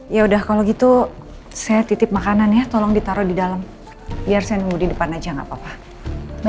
ya udah kalau gitu saya kitik makanan ya tolong ditaruh di dalam biar senyum di depan aja enggak papa dulu